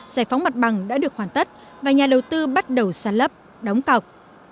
giải phóng mặt bằng đã được hoàn tất và nhà đầu tư bắt đầu sàn lấp đóng cọc